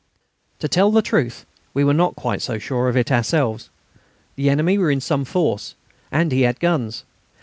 To tell the truth, we were not quite so sure of it ourselves. The enemy was in some force, and he had guns.